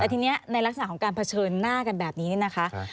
แต่ทีนี้ในลักษณะของการเผชิญหน้ากันแบบนี้เนี่ยนะคะ